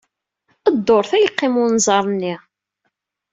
Dduṛt ay yeqqim wenẓar-nni.